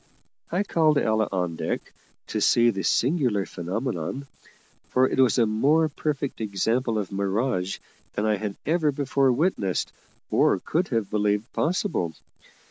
I called Ella on deck to see the singular phenomenon, for it was a more perfect example of mirage than I had ever before witnessed or could have believed possible.